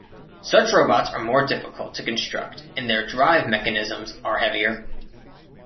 Such robots are more difficult to construct and their drive mechanisms are heavier.